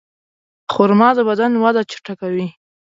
خرما د بدن وده چټکوي.